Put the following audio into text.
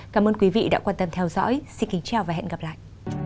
cảm ơn quý vị đã quan tâm theo dõi xin kính chào và hẹn gặp lại